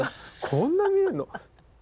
こんな見えるの！